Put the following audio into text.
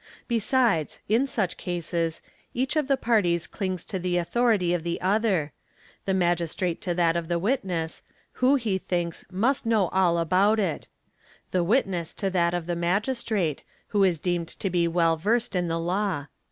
Besides, in such cases, each of the parties clings to the authority of the other; the Magistrate to that of the witness, who, he thinks, must know all about it; the witness to that of the Magistrate, who is deemed to be well versed in the law.